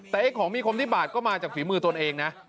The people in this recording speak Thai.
แต่ไอ้ของมีคมที่บาดก็มาจากฝีมือตนเองนะ